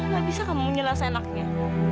gak bisa kamu menyelesaikan enaknya